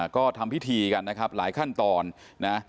ก็ทำพิธีกันนะครับหลายขั้นตอนนะ